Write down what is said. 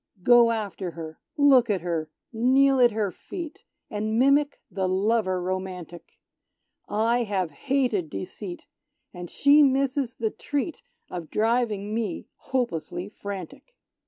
Go after her, look at her, kneel at her feet, And mimic the lover romantic; I have hated deceit, and she misses the treat Of driving me hopelessly frantic!